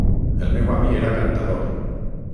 El meu avi era cantador